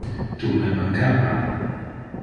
Tu me mancava.